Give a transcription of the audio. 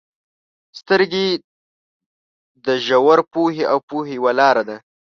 • سترګې د ژور پوهې او پوهې یوه لاره ده.